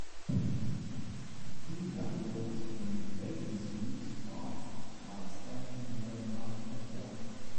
Two young girls in bathing suits laugh while standing under a fountain of water.